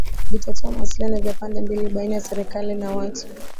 vitatoa mawasiliano ya pande mbili baina ya serikali na watu